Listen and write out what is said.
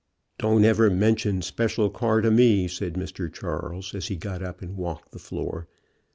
"Don't ever mention special car to me," said Mr. Charles, as he got up and walked the floor.